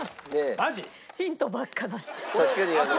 ヒントばっか出して。